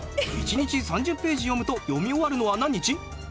１日３０ページ読むと読み終わるのは何日？